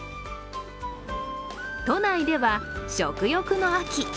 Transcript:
都内では食欲の秋。